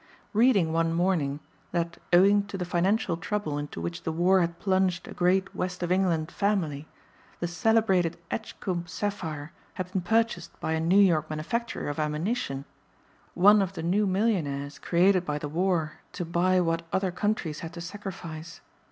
Reading one morning that owing to the financial trouble into which the war had plunged a great West of England family, the celebrated Edgcumbe sapphire had been purchased by a New York manufacturer of ammunition one of the new millionaires created by the war to buy what other countries had to sacrifice.